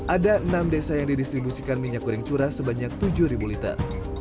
ada enam desa yang didistribusikan minyak goreng curah sebanyak tujuh liter